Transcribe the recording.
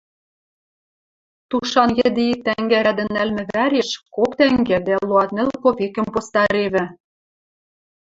тушан йӹде ик тӓнгӓ рӓдӹ нӓлмӹ вӓреш кок тӓнгӓ дӓ луатнӹл копекӹм постаревӹ!